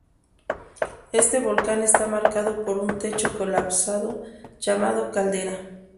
Este volcán está marcado por un techo colapsado, llamado caldera.